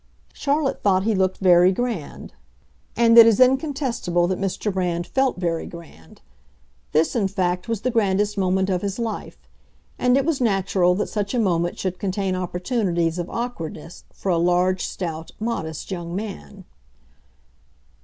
Charlotte thought he looked very grand; and it is incontestable that Mr. Brand felt very grand. This, in fact, was the grandest moment of his life; and it was natural that such a moment should contain opportunities of awkwardness for a large, stout, modest young man.